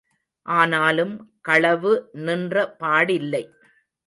ஆனாலும் களவு நின்ற பாடில்லை.